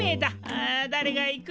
あだれが行く？